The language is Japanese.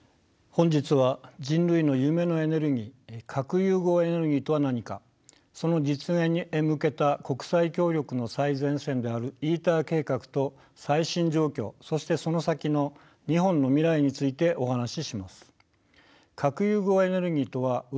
本日は人類の夢のエネルギー核融合エネルギーとは何かその実現へ向けた国際協力の最前線であるＩＴＥＲ計画と最新状況そしてその先の日本の未来についてお話しします。